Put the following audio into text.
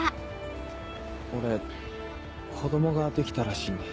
俺子供ができたらしいんで。